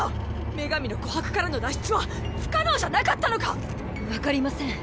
「女神の琥魄」からの脱出は不可能じゃなかったのか⁉分かりません。